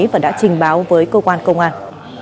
và đã trình báo với cơ quan công an